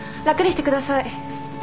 楽にしてください。